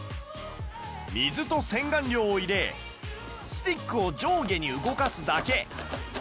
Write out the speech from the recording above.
水と洗顔料を入れスティックを上下に動かすだけ